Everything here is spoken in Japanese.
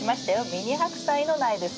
ミニハクサイの苗です。